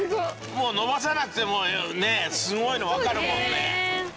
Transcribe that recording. もう伸ばさなくてもねすごいの分かるもんね。